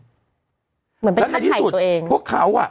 เหมือนเป็นท่านไข่ตัวเองแล้วในที่สุดพวกเขาอ่ะ